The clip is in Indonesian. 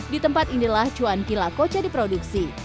di tempat inilah cuanki lakoca diproduksi